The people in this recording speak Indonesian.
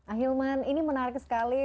ahilman ini menarik sekali